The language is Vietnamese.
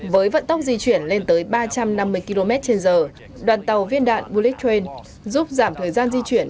với vận tốc di chuyển lên tới ba trăm năm mươi km trên giờ đoàn tàu viên đạn bullet train giúp giảm thời gian di chuyển